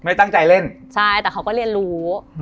ตั้งใจเล่นใช่แต่เขาก็เรียนรู้